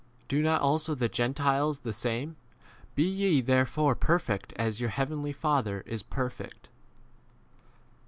Do not also the Gentiles 2 the same ?, 4 s Be ye therefore perfect as your heavenly Father" is perfect.